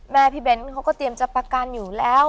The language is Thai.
แม่พี่เบ้นเขาก็เตรียมจะประกันอยู่แล้ว